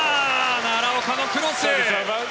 奈良岡のクロス。